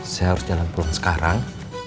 saya harus jalan pulang sekarang